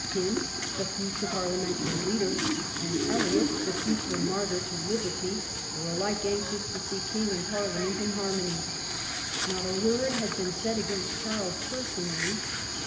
Pym, the future parliamentary leader, and Eliot, the future martyr to liberty, were alike anxious to see king and Parliament in harmony. Not a word had been said against Charles personally.